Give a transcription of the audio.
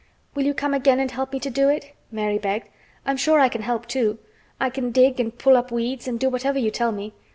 "Will you come again and help me to do it?" Mary begged. "I'm sure I can help, too. I can dig and pull up weeds, and do whatever you tell me.